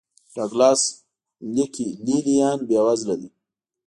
ډاګلاس لیکي لې لیان بېوزله دي.